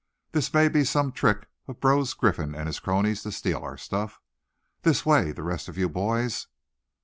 This may be some trick of Brose Griffin and his cronies to steal our stuff. This way, the rest of you, boys!"